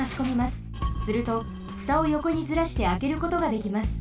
するとふたをよこにずらしてあけることができます。